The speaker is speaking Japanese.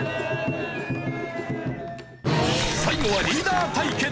最後はリーダー対決！